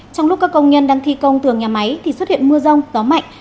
trong lúc các công nhân đang thi công tường nhà máy thì xuất hiện mưa rông gió mạnh